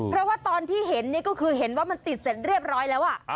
เพราะว่าตอนที่เห็นนี่ก็คือเห็นว่ามันติดเสร็จเรียบร้อยแล้ว